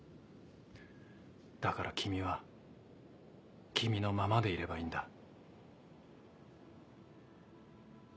だから君は君のままでいればいいんだ。